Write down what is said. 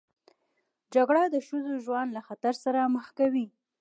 جګړه د ښځو ژوند له خطر سره مخ کوي